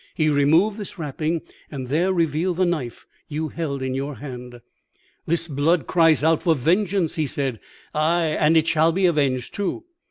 He removed this wrapping, and there revealed the knife you held in your hand. "'This blood cries out for vengeance,' he said; 'ay, and it shall be avenged too.'